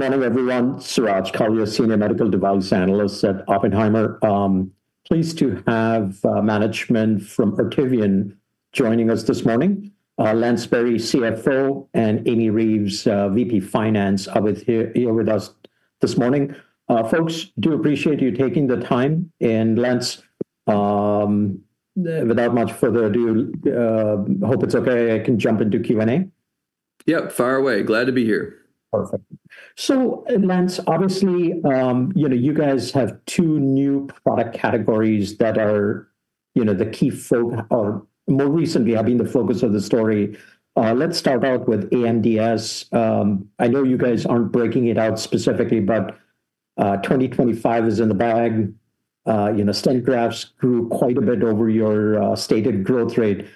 Good morning, everyone. Suraj Kalia, Senior Medical Device Analyst at Oppenheimer. Pleased to have management from Artivion joining us this morning. Lance Berry, CFO, and Amy Reeves, VP Finance are here with us this morning. Folks, do appreciate you taking the time. Lance, without much further ado, hope it's okay I can jump into Q&A. Yep. Fire away. Glad to be here. Perfect. Lance, obviously, you know, you guys have two new product categories that are, you know, the key or more recently have been the focus of the story. Let's start out with AMDS. I know you guys aren't breaking it out specifically, but, 2025 is in the bag. You know, stent grafts grew quite a bit over your, stated growth rate.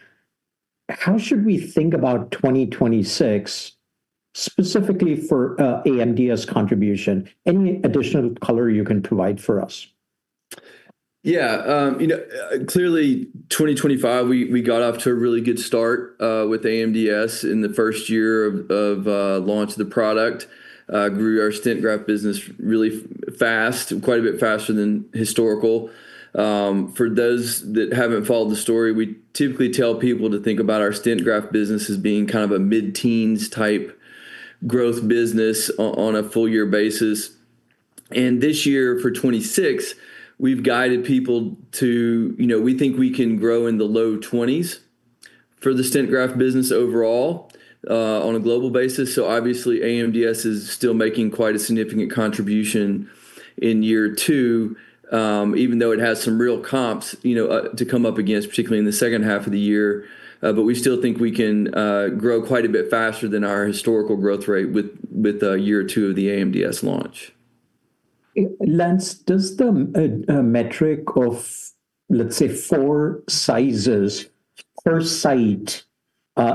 How should we think about 2026 specifically for, AMDS contribution? Any additional color you can provide for us? Yeah, you know, clearly 2025, we got off to a really good start with AMDS in the first year of launch of the product. Grew our stent graft business really fast, quite a bit faster than historical. For those that haven't followed the story, we typically tell people to think about our stent graft business as being kind of a mid-teens% type growth business on a full year basis. This year for 2026, we've guided people to, you know, we think we can grow in the low 20s% for the stent graft business overall on a global basis. Obviously AMDS is still making quite a significant contribution in year two, even though it has some real comps, you know, to come up against, particularly in the second half of the year. We still think we can grow quite a bit faster than our historical growth rate with year two of the AMDS launch. Lance, does the metric of, let's say, four sizes per site,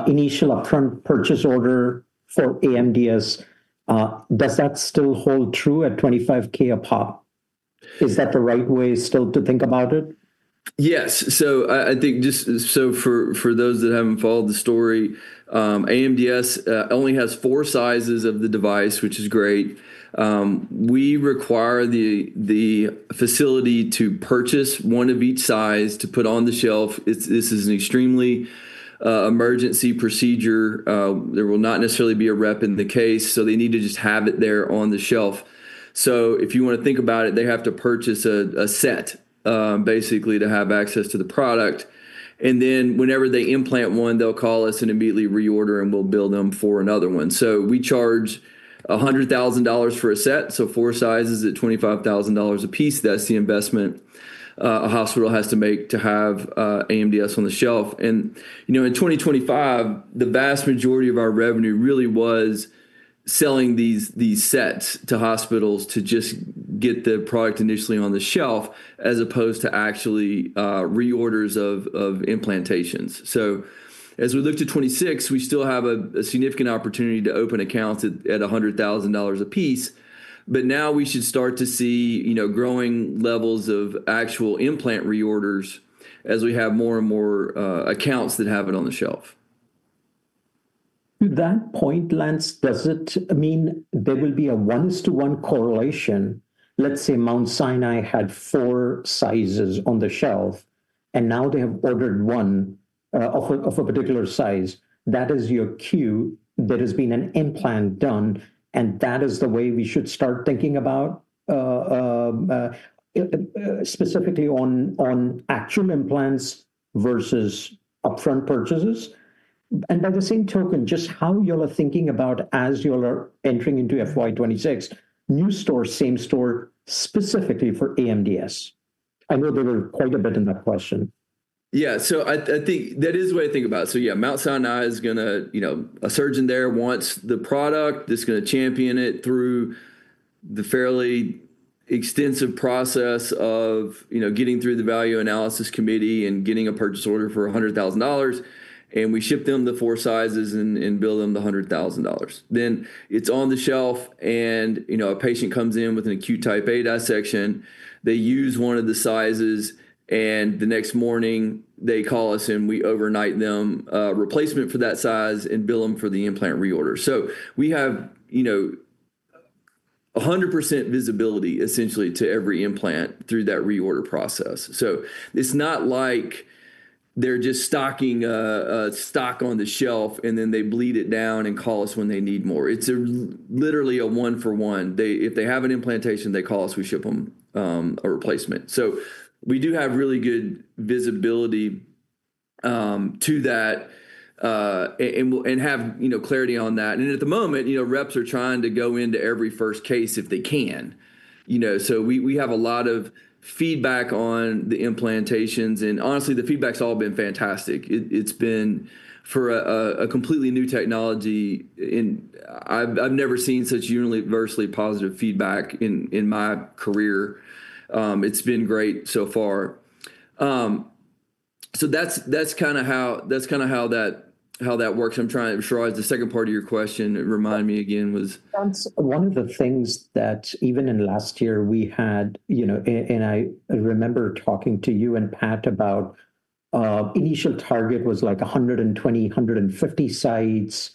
initial upfront purchase order for AMDS, does that still hold true at $25K a pop? Is that the right way still to think about it? Yes. I think just so for those that haven't followed the story, AMDS only has four sizes of the device, which is great. We require the facility to purchase one of each size to put on the shelf. This is an extremely emergency procedure. There will not necessarily be a rep in the case, so they need to just have it there on the shelf. If you wanna think about it, they have to purchase a set basically to have access to the product. Then whenever they implant one, they'll call us and immediately reorder, and we'll bill them for another one. We charge $100,000 for a set, so four sizes at $25,000 a piece. That's the investment a hospital has to make to have AMDS on the shelf. You know, in 2025, the vast majority of our revenue really was selling these sets to hospitals to just get the product initially on the shelf as opposed to actually reorders of implantations. As we look to 2026, we still have a significant opportunity to open accounts at $100,000 apiece. Now we should start to see, you know, growing levels of actual implant reorders as we have more and more accounts that have it on the shelf. To that point, Lance, does it mean there will be a one is to one correlation? Let's say Mount Sinai had four sizes on the shelf, and now they have ordered one of a particular size. That is your cue that has been an implant done, and that is the way we should start thinking about specifically on actual implants versus upfront purchases. By the same token, just how y'all are thinking about as you all are entering into FY 2026, new store, same store, specifically for AMDS. I know there were quite a bit in that question. Yeah. I think that is the way to think about it. Yeah, Mount Sinai is gonna, you know, a surgeon there wants the product. That's gonna champion it through the fairly extensive process of, you know, getting through the value analysis committee and getting a purchase order for $100,000, and we ship them the four sizes and bill them the $100,000. Then it's on the shelf and, you know, a patient comes in with an acute type A dissection. They use one of the sizes, and the next morning they call us, and we overnight them a replacement for that size and bill them for the implant reorder. So we have, you know, 100% visibility essentially to every implant through that reorder process. It's not like they're just stocking stock on the shelf, and then they bleed it down and call us when they need more. It's literally a one for one. If they have an implantation, they call us, we ship them a replacement. We do have really good visibility to that, and have, you know, clarity on that. At the moment, you know, reps are trying to go into every first case if they can, you know. We have a lot of feedback on the implantations, and honestly, the feedback's all been fantastic. It's been for a completely new technology. I've never seen such universally positive feedback in my career. It's been great so far. That's kinda how that works. I'm trying. Suraj, the second part of your question, remind me again. Lance, one of the things that even in last year we had, and I remember talking to you and Pat about, initial target was like 120 sites, 150 sites.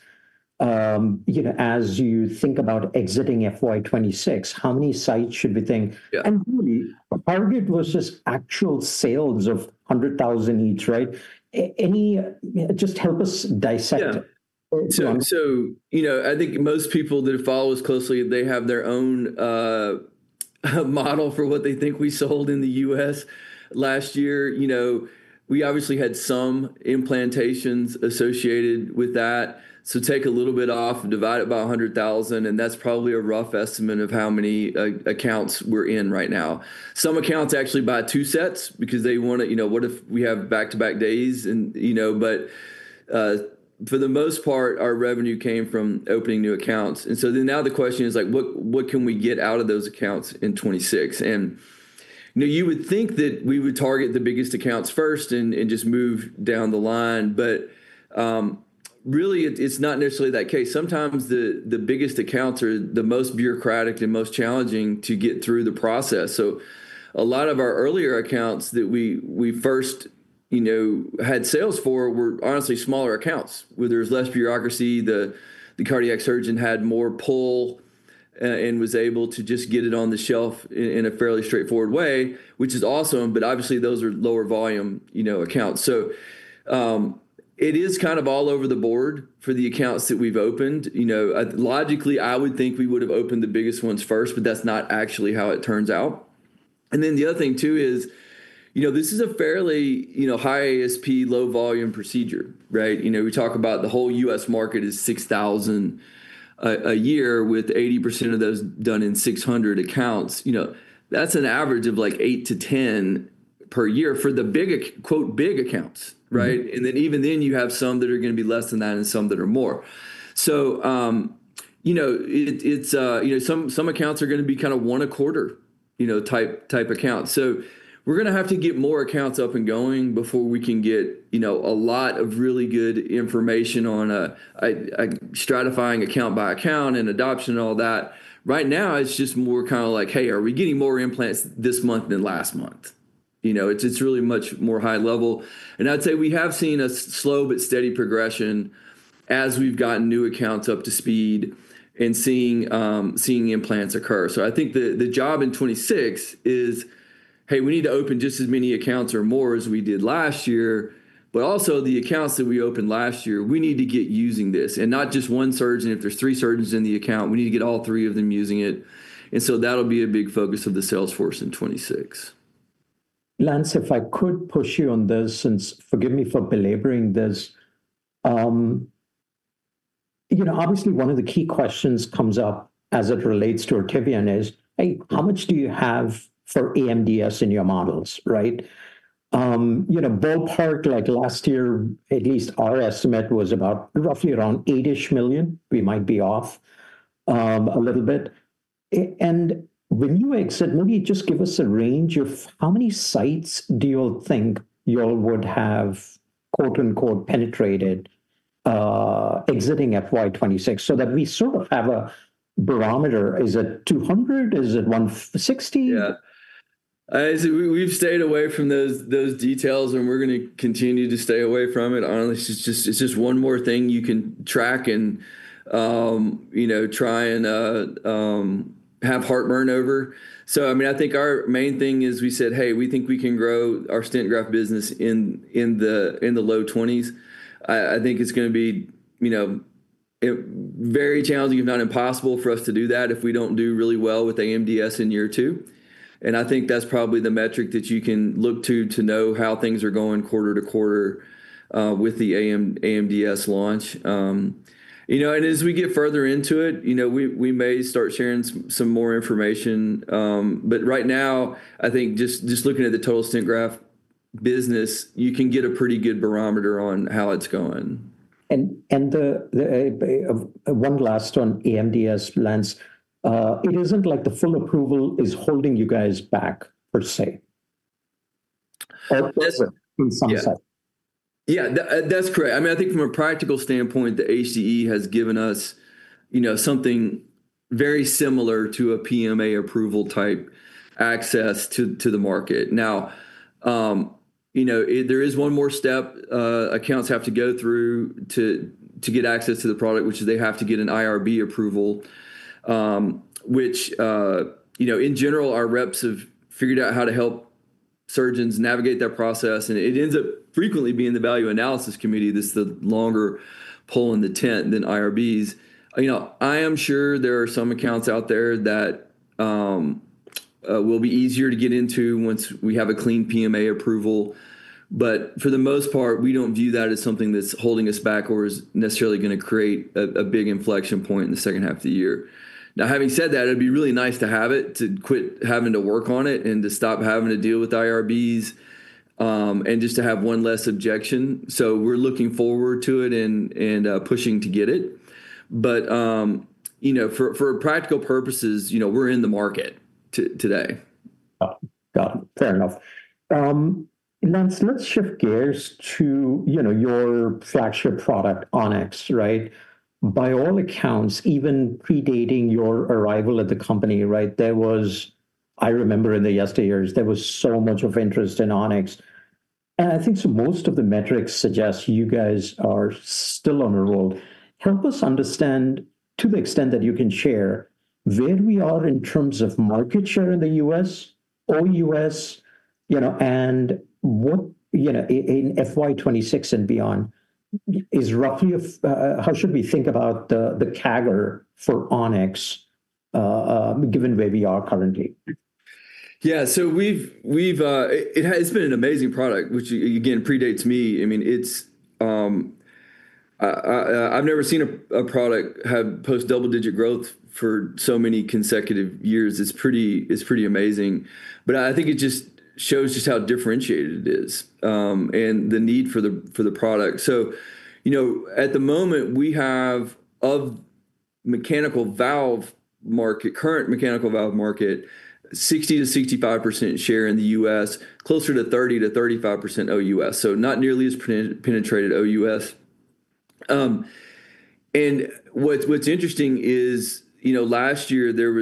As you think about exiting FY 2026, how many sites should we think- Yeah Really, our target was just actual sales of $100,000 each, right? Any, you know, just help us dissect Yeah it. You know, I think most people that follow us closely, they have their own, a model for what they think we sold in the U.S last year. You know, we obviously had some implantations associated with that, so take a little bit off, divide it by 100,000, and that's probably a rough estimate of how many accounts we're in right now. Some accounts actually buy two sets because they wanna, you know, what if we have back-to-back days and, you know. For the most part, our revenue came from opening new accounts. Now the question is like, what can we get out of those accounts in 2026? You know, you would think that we would target the biggest accounts first and just move down the line but, really it's not necessarily that case. Sometimes the biggest accounts are the most bureaucratic and most challenging to get through the process, so a lot of our earlier accounts that we first, you know, had sales for were honestly smaller accounts where there was less bureaucracy, the cardiac surgeon had more pull, and was able to just get it on the shelf in a fairly straightforward way, which is awesome, but obviously those are lower volume, you know, accounts. It is kind of all over the board for the accounts that we've opened. You know, logically, I would think we would've opened the biggest ones first, but that's not actually how it turns out. Then the other thing too is, you know, this is a fairly, you know, high ASP, low volume procedure, right? You know, we talk about the whole US market is 6,000 a year with 80% of those done in 600 accounts, you know. That's an average of like eight to 10 per year for the big quote, big accounts, right? Mm-hmm. Even then you have some that are gonna be less than that and some that are more. You know, it's you know, some accounts are gonna be kinda one a quarter, you know, type account. We're gonna have to get more accounts up and going before we can get, you know, a lot of really good information on a stratifying account by account and adoption and all that. Right now it's just more kinda like, "Hey, are we getting more implants this month than last month?" You know, it's really much more high level. I'd say we have seen a slow but steady progression as we've gotten new accounts up to speed and seeing implants occur. I think the job in 2026 is, hey, we need to open just as many accounts or more as we did last year, but also the accounts that we opened last year, we need to get using this. Not just one surgeon. If there's three surgeons in the account, we need to get all three of them using it, and so that'll be a big focus of the sales force in 2026. Lance, if I could push you on this, and forgive me for belaboring this. You know, obviously one of the key questions comes up as it relates to Artivion is, hey, how much do you have for AMDS in your models, right? You know, ballpark, like last year at least our estimate was about roughly around $8-ish million. We might be off, a little bit. When you exit, maybe just give us a range of how many sites do you think y'all would have, quote-unquote, penetrated, exiting FY 2026 so that we sort of have a barometer. Is it 200? Is it 160? Yeah. We’ve stayed away from those details, and we’re gonna continue to stay away from it. Honestly, it’s just one more thing you can track and, you know, try and have heartburn over. I mean, I think our main thing is we said, “Hey, we think we can grow our stent graft business in the low 20s%.” I think it’s gonna be, you know, very challenging if not impossible for us to do that if we don’t do really well with AMDS in year two, and I think that’s probably the metric that you can look to to know how things are going quarter to quarter with the AMDS launch. You know, as we get further into it, you know, we may start sharing some more information. Right now, I think just looking at the total stent graft business, you can get a pretty good barometer on how it's going. One last on AMDS, Lance. It isn't like the full approval is holding you guys back, per se. Yes in some sense. Yeah. Yeah. That's correct. I mean, I think from a practical standpoint, the HDE has given us, you know, something very similar to a PMA approval type access to the market. Now, you know, there is one more step, accounts have to go through to get access to the product, which is they have to get an IRB approval, which, you know, in general, our reps have figured out how to help surgeons navigate that process, and it ends up frequently being the value analysis committee that's the longer pole in the tent than IRBs. You know, I am sure there are some accounts out there that will be easier to get into once we have a clean PMA approval, but for the most part, we don't view that as something that's holding us back or is necessarily gonna create a big inflection point in the second half of the year. Now, having said that, it'd be really nice to have it, to quit having to work on it, and to stop having to deal with IRBs, and just to have one less objection. We're looking forward to it and pushing to get it. You know, for practical purposes, you know, we're in the market today. Oh. Got it. Fair enough. Lance, let's shift gears to, you know, your flagship product, On-X, right? By all accounts, even predating your arrival at the company, right, I remember in the yesteryears, there was so much of interest in On-X. I think so most of the metrics suggest you guys are still on a roll. Help us understand, to the extent that you can share, where we are in terms of market share in the U.S, OUS, you know, and what, you know, in FY 2026 and beyond is roughly how should we think about the CAGR for On-X, given where we are currently? It's been an amazing product, which again, predates me. I mean, I've never seen a product have post-double-digit growth for so many consecutive years. It's pretty amazing. I think it just shows just how differentiated it is, and the need for the product. You know, at the moment, we have of mechanical valve market, current mechanical valve market, 60%-65% share in the U.S, closer to 30%-35% OUS. Not nearly as penetrated OUS. What's interesting is, you know, last year there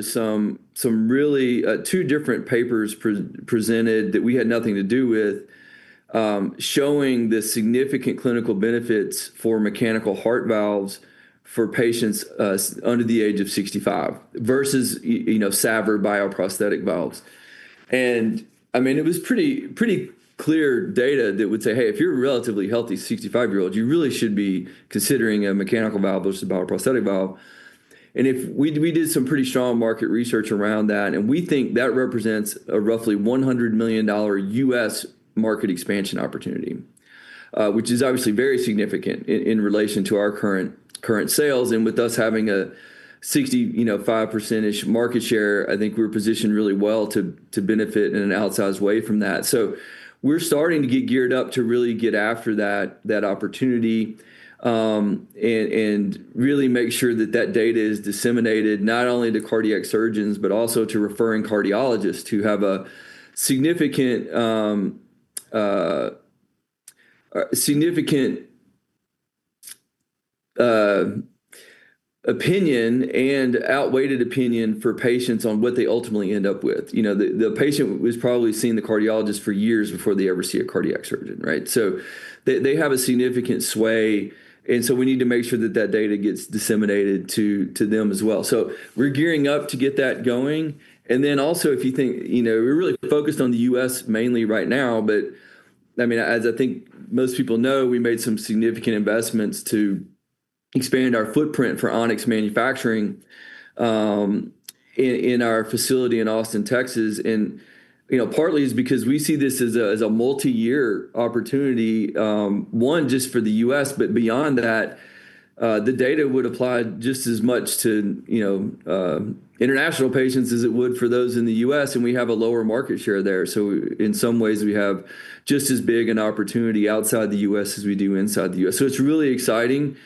were two different papers presented that we had nothing to do with, showing the significant clinical benefits for mechanical heart valves for patients under the age of 65 versus you know, SAVR bioprosthetic valves. I mean, it was pretty clear data that would say, "Hey, if you're a relatively healthy 65-year-old, you really should be considering a mechanical valve versus a bioprosthetic valve." If we did some pretty strong market research around that, and we think that represents a roughly $100 million US market expansion opportunity, which is obviously very significant in relation to our current sales. With us having a 65% market share, you know, I think we're positioned really well to benefit in an outsized way from that. We're starting to get geared up to really get after that opportunity, and really make sure that data is disseminated not only to cardiac surgeons, but also to referring cardiologists who have a significant opinion and outweighed opinion for patients on what they ultimately end up with. You know, the patient was probably seeing the cardiologist for years before they ever see a cardiac surgeon, right? They have a significant sway, and so we need to make sure that data gets disseminated to them as well. We're gearing up to get that going. Then also, if you think, you know, we're really focused on the U.S mainly right now, but I mean, as I think most people know, we made some significant investments to expand our footprint for On-X manufacturing, in our facility in Austin, Texas. You know, partly it's because we see this as a multi-year opportunity, one, just for the U.S, but beyond that, the data would apply just as much to, you know, international patients as it would for those in the U.S, and we have a lower market share there. In some ways, we have just as big an opportunity outside the U.S as we do inside the U.S. It's really exciting.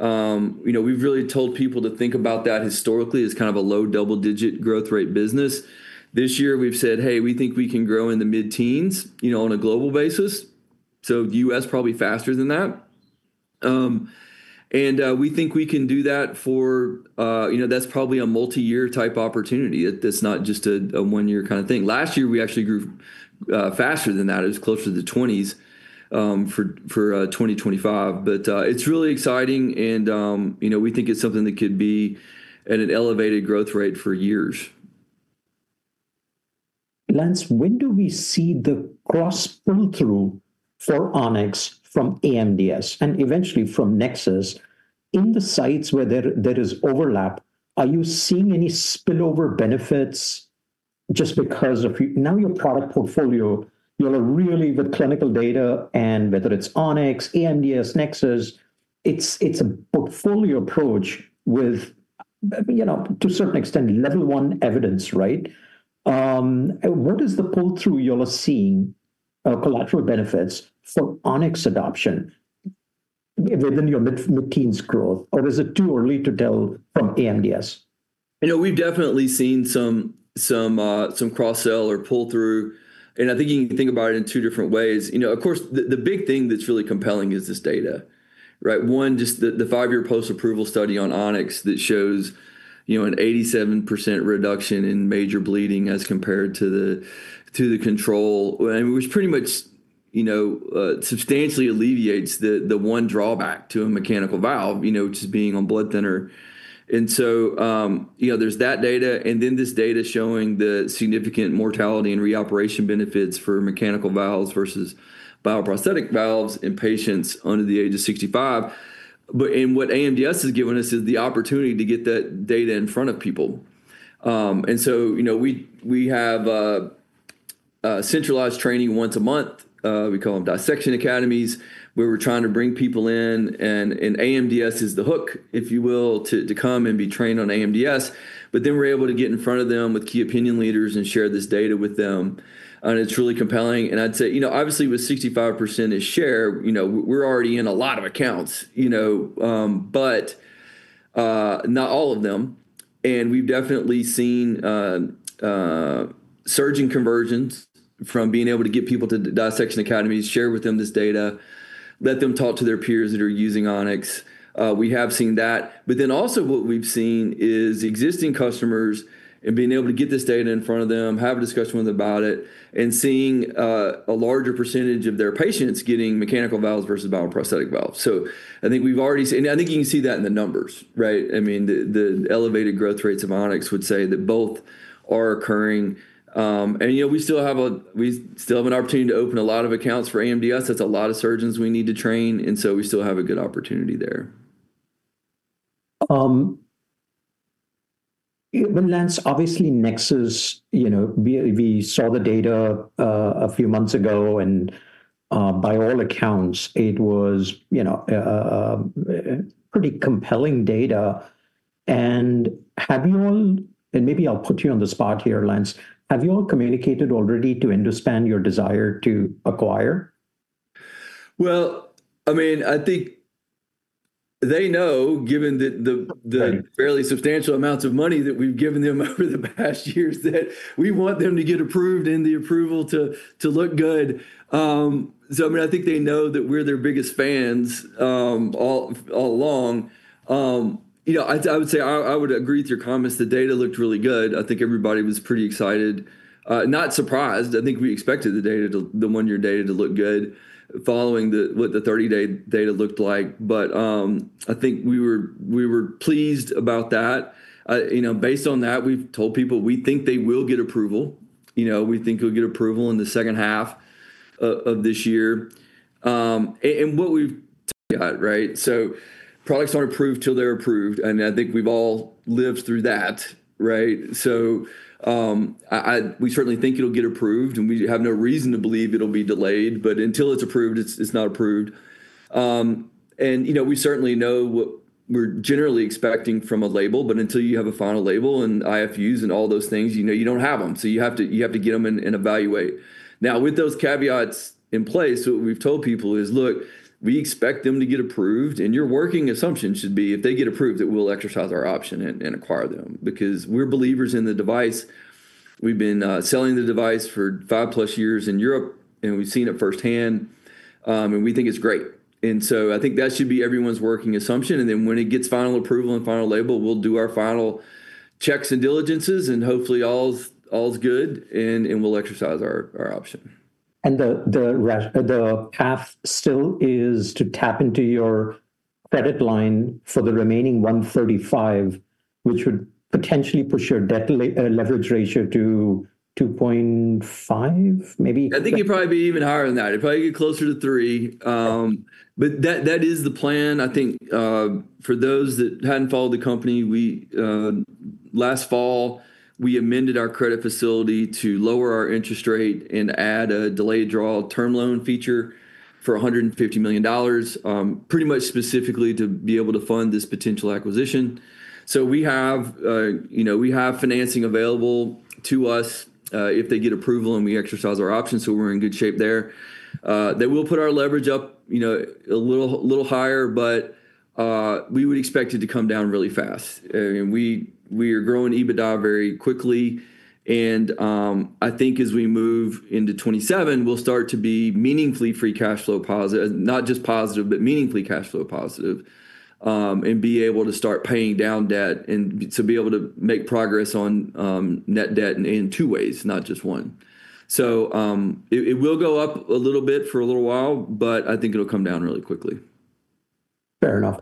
You know, we've really told people to think about that historically as kind of a low double-digit growth rate business. This year we've said, "Hey, we think we can grow in the mid-teens, you know, on a global basis." U.S. probably faster than that. We think we can do that for you know that's probably a multi-year type opportunity. It's not just a one-year kind of thing. Last year we actually grew faster than that. It was closer to the twenties for 2025. It's really exciting and you know we think it's something that could be at an elevated growth rate for years. Lance, when do we see the cross pull-through for On-X from AMDS and eventually from Nexus in the sites where there is overlap? Are you seeing any spillover benefits just because of your product portfolio? Your product portfolio, you're really the clinical data and whether it's On-X, AMDS, NEXUS, it's a portfolio approach with, to a certain extent, level one evidence, right? What is the pull-through you're seeing of collateral benefits for On-X adoption within your mid-teens growth, or is it too early to tell from AMDS? You know, we've definitely seen some cross-sell or pull-through, and I think you can think about it in two different ways. You know, of course, the big thing that's really compelling is this data, right? One, just the five-year post-approval study on On-X that shows, you know, an 87% reduction in major bleeding as compared to the control, which pretty much, you know, substantially alleviates the one drawback to a mechanical valve, you know, which is being on blood thinner. You know, there's that data and then this data showing the significant mortality and reoperation benefits for mechanical valves versus bioprosthetic valves in patients under the age of 65. What AMDS has given us is the opportunity to get that data in front of people. You know, we have centralized training once a month, we call them dissection academies, where we're trying to bring people in, and AMDS is the hook, if you will, to come and be trained on AMDS. We're able to get in front of them with key opinion leaders and share this data with them, and it's really compelling. I'd say, you know, obviously with 65% share, you know, we're already in a lot of accounts, you know, but not all of them. We've definitely seen surgeon conversions from being able to get people to dissection academies, share with them this data. Let them talk to their peers that are using On-X. We have seen that. Also what we've seen is existing customers and being able to get this data in front of them, have a discussion with them about it, and seeing a larger percentage of their patients getting mechanical valves versus bioprosthetic valves. I think we've already. I think you can see that in the numbers, right? I mean, the elevated growth rates of On-X would say that both are occurring. you know, we still have an opportunity to open a lot of accounts for AMDS. That's a lot of surgeons we need to train, and so we still have a good opportunity there. Well, Lance, obviously NEXUS, you know, we saw the data a few months ago, and by all accounts, it was, you know, pretty compelling data. Maybe I'll put you on the spot here, Lance. Have you all communicated already to understand your desire to acquire? Well, I mean, I think they know, given the fairly substantial amounts of money that we've given them over the past years, that we want them to get approved and the approval to look good. So I mean, I think they know that we're their biggest fans, all along. You know, I would say I would agree with your comments. The data looked really good. I think everybody was pretty excited. Not surprised. I think we expected the one-year data to look good following what the 30-day data looked like. I think we were pleased about that. You know, based on that, we've told people we think they will get approval. You know, we think they'll get approval in the second half of this year. And what we've got, right? Products aren't approved till they're approved, and I think we've all lived through that, right? We certainly think it'll get approved, and we have no reason to believe it'll be delayed, but until it's approved, it's not approved. You know, we certainly know what we're generally expecting from a label, but until you have a final label and IFU and all those things, you know you don't have them, so you have to get them and evaluate. Now, with those caveats in place, what we've told people is, "Look, we expect them to get approved, and your working assumption should be if they get approved, that we'll exercise our option and acquire them." Because we're believers in the device. We've been selling the device for 5+ years in Europe, and we've seen it firsthand, and we think it's great. I think that should be everyone's working assumption, and then when it gets final approval and final label, we'll do our final checks and diligences, and hopefully all's good, and we'll exercise our option. The path still is to tap into your credit line for the remaining $135 million, which would potentially push your debt leverage ratio to 2.5, maybe? I think it'd probably be even higher than that. It'd probably get closer to three. But that is the plan. I think for those that hadn't followed the company, we last fall, we amended our credit facility to lower our interest rate and add a delayed draw term loan feature for $150 million, pretty much specifically to be able to fund this potential acquisition. We have, you know, we have financing available to us if they get approval, and we exercise our options, so we're in good shape there. That will put our leverage up, you know, a little higher, but we would expect it to come down really fast. We are growing EBITDA very quickly, and I think as we move into 2027, we'll start to be meaningfully free cash flow positive, not just positive, but meaningfully cash flow positive, and be able to start paying down debt and to be able to make progress on net debt in two ways, not just one. It will go up a little bit for a little while, but I think it'll come down really quickly. Fair enough.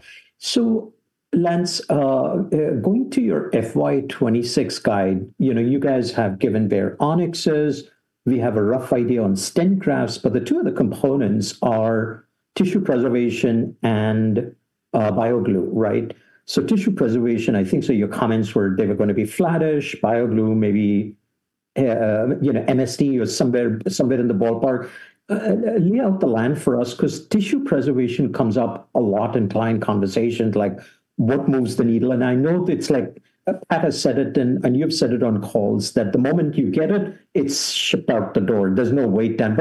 Lance, going to your FY 2026 guide, you know, you guys have given bare On-Xs. We have a rough idea on stent grafts, but the two other components are tissue preservation and BioGlue, right? Tissue preservation, I think, your comments were they were gonna be flattish. BioGlue maybe, you know, NSD or somewhere in the ballpark. Lay out the line for us, 'cause tissue preservation comes up a lot in client conversations, like what moves the needle. I know it's like Pat has said it and you've said it on calls, that the moment you get it's shipped out the door. There's no wait time.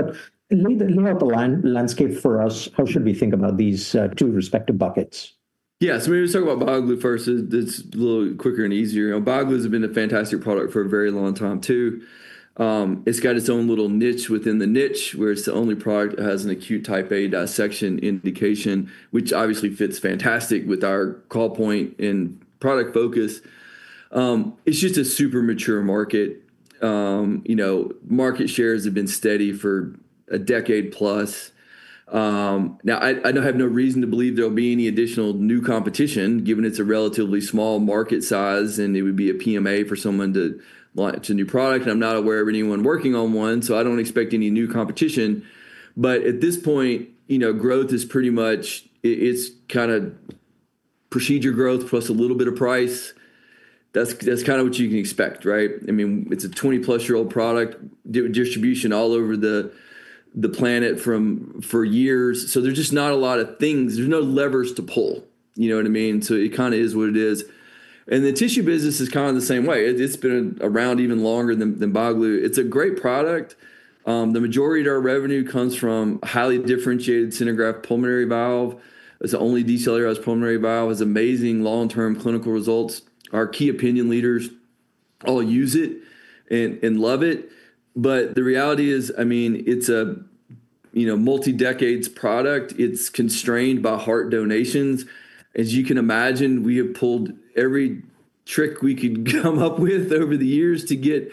Lay out the landscape for us. How should we think about these two respective buckets? Yeah. Maybe let's talk about BioGlue first. It's a little quicker and easier. You know, BioGlue's been a fantastic product for a very long time too. It's got its own little niche within the niche, where it's the only product that has an acute type A dissection indication, which obviously fits fantastic with our call point and product focus. It's just a super mature market. You know, market shares have been steady for a decade plus. Now, I don't have no reason to believe there'll be any additional new competition, given it's a relatively small market size, and it would be a PMA for someone to launch a new product. I'm not aware of anyone working on one, so I don't expect any new competition. At this point, you know, growth is pretty much. It's kinda procedure growth plus a little bit of price. That's kinda what you can expect, right? I mean, it's a 20-plus-year-old product, distribution all over the planet for years. So there's just not a lot of things. There's no levers to pull. You know what I mean? So it kinda is what it is. The tissue business is kinda the same way. It's been around even longer than BioGlue. It's a great product. The majority of our revenue comes from highly differentiated SynerGraft pulmonary valve. It's the only decellularized pulmonary valve. It's amazing long-term clinical results. Our key opinion leaders use it and love it. But the reality is, I mean, it's a, you know, multi-decades product. It's constrained by heart donations. As you can imagine, we have pulled every trick we could come up with over the years to get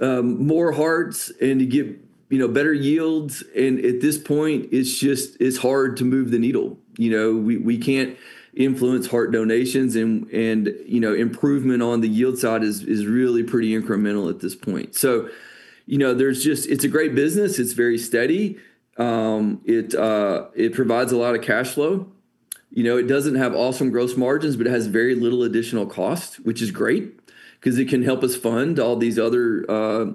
more hearts and to get, you know, better yields. At this point, it's just hard to move the needle. You know, we can't influence heart donations and, you know, improvement on the yield side is really pretty incremental at this point. There's just. It's a great business. It's very steady. It provides a lot of cash flow. You know, it doesn't have awesome gross margins, but it has very little additional cost, which is great 'cause it can help us fund all these other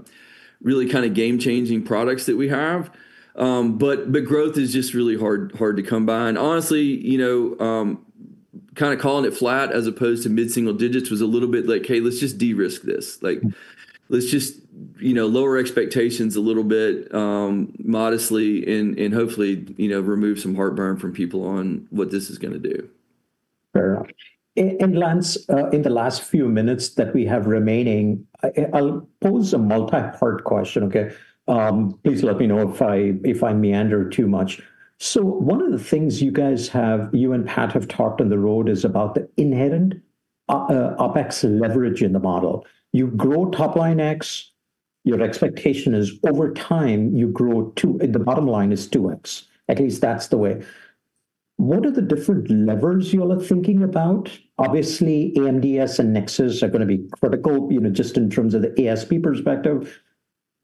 really kinda game-changing products that we have. Growth is just really hard to come by. Honestly, you know, kinda calling it flat as opposed to mid-single digits was a little bit like, "Hey, let's just de-risk this." Like, "Let's just, you know, lower expectations a little bit, modestly and hopefully, you know, remove some heartburn from people on what this is gonna do. Fair enough. Lance, in the last few minutes that we have remaining, I'll pose a multi-part question, okay? Please let me know if I meander too much. One of the things you guys have, you and Pat have talked on the road is about the inherent OpEx leverage in the model. You grow top line X, your expectation is over time you grow the bottom line is two X. At least that's the way. What are the different levers you all are thinking about? Obviously, AMDS and NEXUS are gonna be critical, you know, just in terms of the ASP perspective.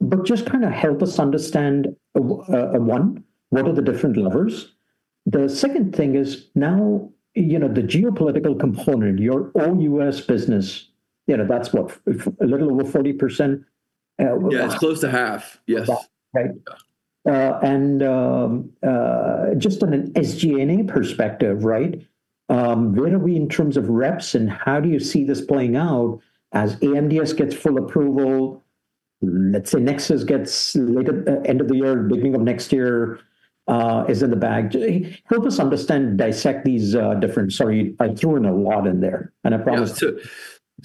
But just kinda help us understand, one, what are the different levers? The second thing is now, you know, the geopolitical component, your own U.S. business, you know, that's what? A little over 40%. Yeah, it's close to half. Yes. Right. Just on an SG&A perspective, right, where are we in terms of reps, and how do you see this playing out as AMDS gets full approval, let's say NEXUS gets later, end of the year, beginning of next year, is in the bag. Just help us understand, dissect these different. Sorry, I threw in a lot in there, and I promise-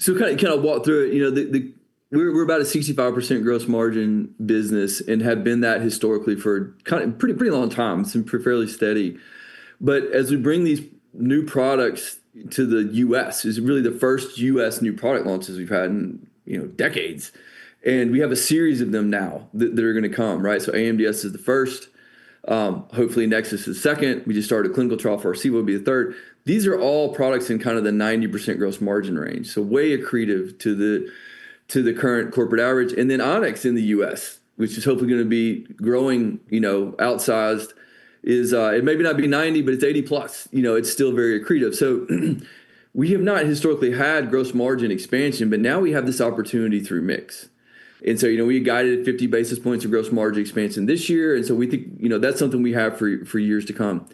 Kind of walk through it, you know. We're about a 65% gross margin business and have been that historically for pretty long time, fairly steady. As we bring these new products to the U.S, it's really the first US new product launches we've had in, you know, decades. We have a series of them now that are gonna come, right? AMDS is the first, hopefully NEXUS is the second. We just started a clinical trial for our C will be the third. These are all products in kinda the 90% gross margin range, so way accretive to the current corporate average. Then On-X in the US, which is hopefully gonna be growing, you know, outsized, is. It maybe not be 90%, but it's 80%+. You know, it's still very accretive. We have not historically had gross margin expansion, but now we have this opportunity through mix. You know, we guided to 50 basis points of gross margin expansion this year, and so we think, you know, that's something we have for years to come.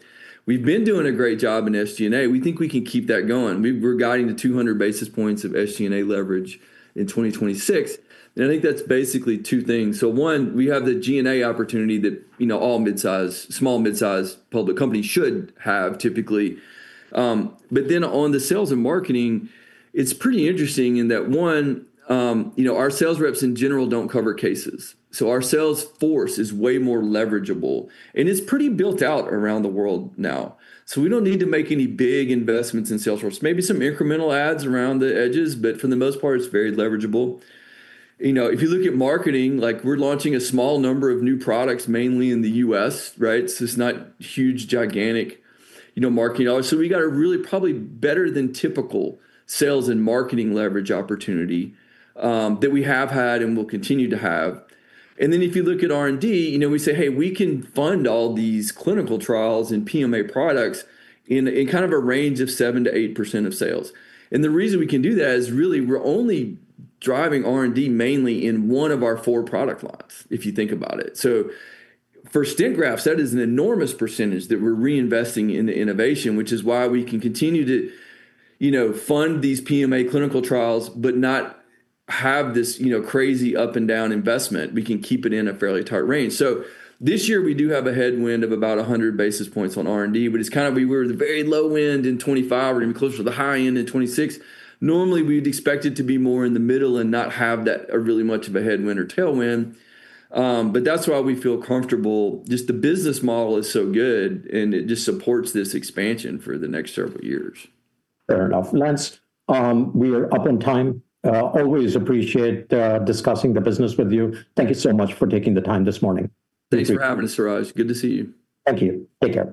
We've been doing a great job in SG&A. We think we can keep that going. We're guiding to 200 basis points of SG&A leverage in 2026, and I think that's basically two things. One, we have the G&A opportunity that, you know, all mid-size, small mid-size public companies should have typically. But then on the sales and marketing, it's pretty interesting in that, one, you know, our sales reps in general don't cover cases, so our sales force is way more leverageable, and it's pretty built out around the world now. We don't need to make any big investments in sales force. Maybe some incremental ads around the edges, but for the most part it's very leverageable. You know, if you look at marketing, like we're launching a small number of new products mainly in the U.S., right? It's not huge, gigantic, you know, marketing dollars. We got a really probably better than typical sales and marketing leverage opportunity that we have had and will continue to have. Then if you look at R&D, you know, we say, "Hey, we can fund all these clinical trials and PMA products in kind of a range of 7%-8% of sales." The reason we can do that is really we're only driving R&D mainly in one of our four product lines if you think about it. For stent grafts, that is an enormous percentage that we're reinvesting in the innovation, which is why we can continue to, you know, fund these PMA clinical trials but not have this, you know, crazy up and down investment. We can keep it in a fairly tight range. This year we do have a headwind of about 100 basis points on R&D, but it's kind of we were at the very low end in 2025. We're gonna be closer to the high end in 2026. Normally, we'd expect it to be more in the middle and not have that really much of a headwind or tailwind, but that's why we feel comfortable. Just the business model is so good, and it just supports this expansion for the next several years. Fair enough. Lance, we are up on time. Always appreciate discussing the business with you. Thank you so much for taking the time this morning. Thanks for having us, Suraj. Good to see you. Thank you. Take care.